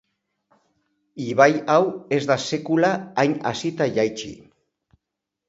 Ibai hau ez da sekula hain hazita jaitsi.